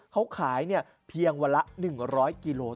เขาขายเพียงวันละ๑๐๐กิโล